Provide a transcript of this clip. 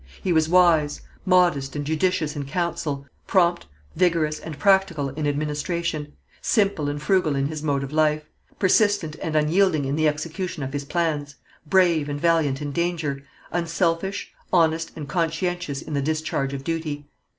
He was wise, modest and judicious in council, prompt, vigorous and practical in administration, simple and frugal in his mode of life, persistent and unyielding in the execution of his plans, brave and valiant in danger, unselfish, honest and conscientious in the discharge of duty.